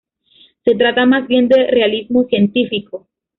Se trata más bien de realismo científico.